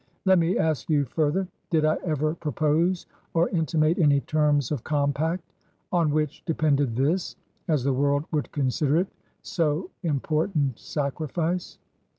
Let me ask you, further, did I ever propose or intimate any terms of compact, on which depended this — as the world would consider it — ^so important sacrifice?'